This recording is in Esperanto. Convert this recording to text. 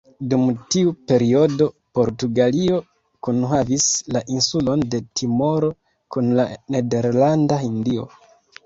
Dum tiu periodo, Portugalio kunhavis la insulon de Timoro kun la Nederlanda Hindio.